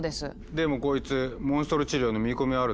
でもこいつモンストロ治療の見込みあるだろ。